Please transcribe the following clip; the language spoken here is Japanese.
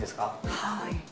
はい。